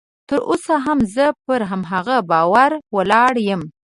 تر اوسه هم زه پر هماغه باور ولاړ یم